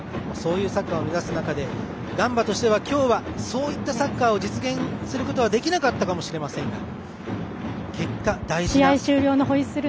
そういうサッカーを目指す中で、ガンバとしては今日はそういったサッカーを実現することはできなかったかもしれません。